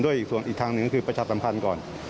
ด้วยอีกทางหนึ่งคือประชาติสำคัญก่อน